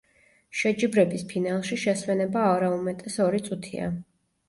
შეჯიბრების ფინალში შესვენება არაუმეტეს ორი წუთია.